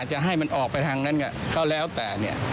จะให้มันออกไปทางนั้นก็แล้วแต่เนี่ย